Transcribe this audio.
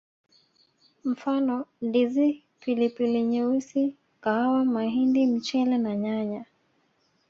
Mfano Ndizi Pilipili nyeusi kahawa mahindi mchele na nyanya